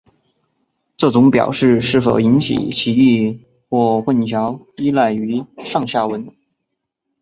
这种表示是否引起歧义或混淆依赖于上下文。